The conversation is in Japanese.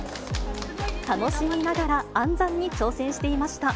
楽しみながら暗算に挑戦していました。